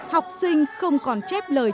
học sinh không còn chép lời